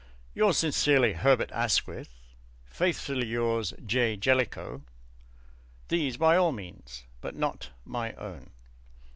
"Yours sincerely, Herbert Asquith," "Faithfully yours, J. Jellicoe" these by all means; but not my own.